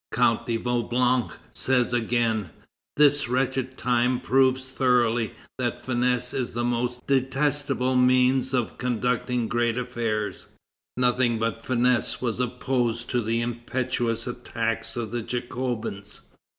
Count de Vaublanc says again: "This wretched time proves thoroughly that finesse is the most detestable means of conducting great affairs. Nothing but finesse was opposed to the impetuous attacks of the Jacobins.